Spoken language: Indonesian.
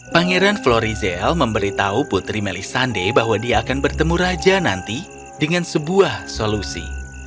pangeran florizel memberitahu putri melisande bahwa dia akan bertemu raja nanti dengan sebuah solusi